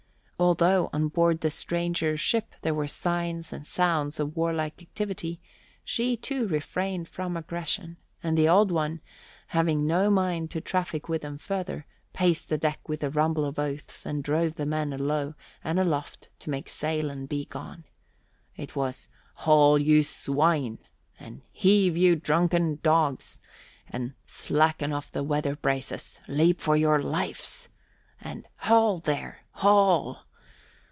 Although on board the stranger ship there were signs and sounds of warlike activity, she too refrained from aggression; and the Old One, having no mind to traffic with them further, paced the deck with a rumble of oaths and drove the men alow and aloft to make sail and be gone. It was "Haul, you swine!" And "Heave, you drunken dogs!" And "Slacken off the weather braces! Leap for your lives!" And "Haul, there, haul!